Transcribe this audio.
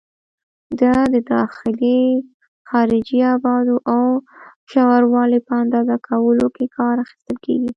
د داخلي، خارجي ابعادو او د ژوروالي په اندازه کولو کې کار اخیستل کېږي.